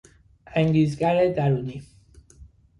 انگیزگر درونی